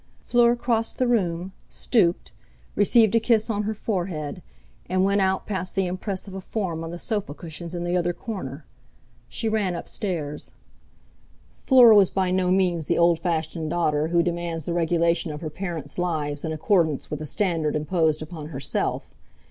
Fleur crossed the room, stooped, received a kiss on her forehead, and went out past the impress of a form on the sofa cushions in the other corner. She ran up stairs. Fleur was by no means the old fashioned daughter who demands the regulation of her parents' lives in accordance with the standard imposed upon herself.